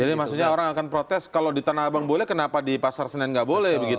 jadi maksudnya orang akan protes kalau di tanah abang boleh kenapa di pasar senen nggak boleh